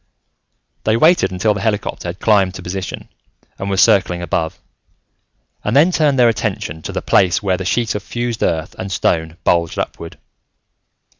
They waited until the helicopter had climbed to position and was circling above, and then turned their attention to the place where the sheet of fused earth and stone bulged upward.